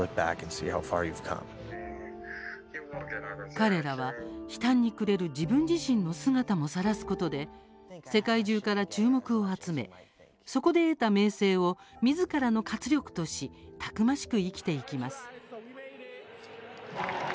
彼らは、悲嘆に暮れる自分自身の姿もさらすことで世界中から注目を集めそこで得た名声をみずからの活力としたくましく生きていきます。